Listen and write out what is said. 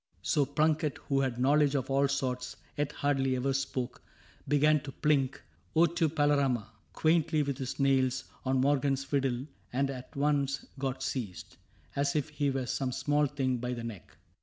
So Plunket, who had knowledge of all sorts. Yet hardly ever spoke, began to plink O tu^ PalertM !— quaintly, with his nails, — On Morgan's fiddle, and at once got seized, As if he were some small thing, by the neck.